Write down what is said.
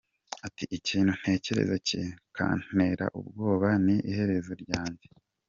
Ati “Ikintu ntekereza kikantera ubwoba ni iherezo ryanjye.